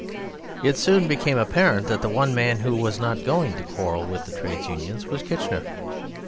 It soon became apparent that the one man who was not going to quarrel with the Trades Unions was Kitchener.